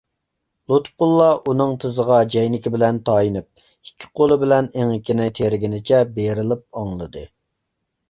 لۇتپۇللا ئۇنىڭ تىزىغا جەينىكى بىلەن تايىنىپ، ئىككى قولى بىلەن ئېڭىكىنى تىرىگىنىچە بېرىلىپ ئاڭلىدى.